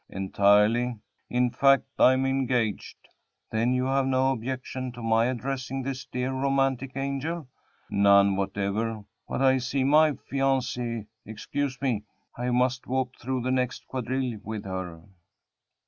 "Entirely; in fact, I'm engaged." "Then you have no objections to my addressing this dear, romantic angel?" "None whatever. But I see my fiancée excuse me I must walk through the next quadrille with her."